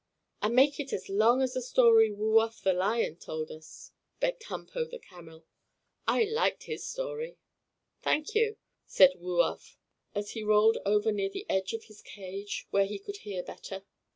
"And make it as long as the story Woo Uff, the lion, told us," begged Humpo, the camel. "I liked his story." "Thank you," spoke Woo Uff, as he rolled over near the edge of his cage where he could hear better.